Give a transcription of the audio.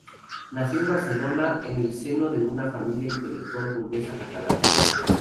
Nació en Barcelona en el seno de una familia intelectual burguesa catalana.